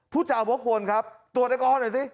ผู้เจ้าพวกควรครับตรวจแอลกอฮอล์หน่อยสิ